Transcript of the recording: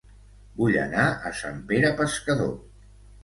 Vull anar a Sant Pere Pescador